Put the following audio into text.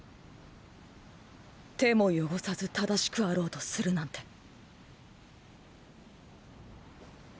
手も汚さず正しくあろうとするなんて。